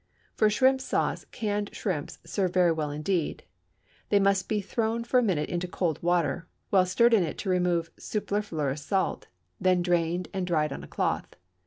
For shrimp sauce canned shrimps serve very well indeed; they must be thrown for a minute into cold water, well stirred in it to remove superfluous salt, then drained, and dried on a cloth.